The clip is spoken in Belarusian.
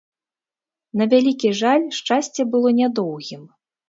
На вялікі жаль, шчасце было нядоўгім.